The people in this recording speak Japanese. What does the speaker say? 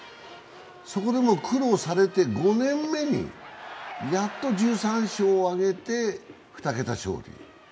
そこでも苦労されて５年目にやっと１３勝を挙げて２桁勝利。